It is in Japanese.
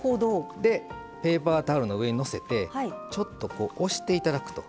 ペーパータオルの上にのせてちょっと押していただくと。